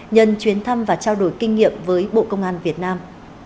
nhân chuyến thăm và trao đổi kinh nghiệm với bộ công an việt nam